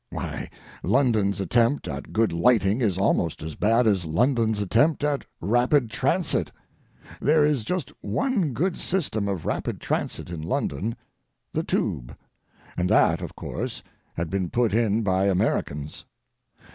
Why, London's attempt at good lighting is almost as bad as London's attempt at rapid transit. There is just one good system of rapid transit in London—the "Tube," and that, of course, had been put in by Americans.